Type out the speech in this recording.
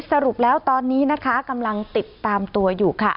สรุปแล้วตอนนี้นะคะกำลังติดตามตัวอยู่ค่ะ